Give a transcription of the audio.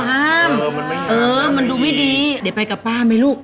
เออมันไม่อยากทำดีเออมันดูไม่ดีเดี๋ยวไปกับป้าไหมลูก